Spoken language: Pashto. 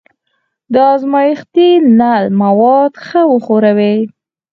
د ازمایښتي نل منځ مواد ښه وښوروئ.